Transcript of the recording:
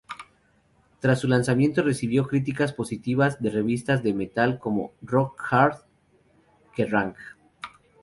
Tras su lanzamiento recibió críticas positivas de revistas de "metal" como "Rock Hard", "Kerrang!